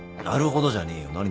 「なるほど」じゃねえよ。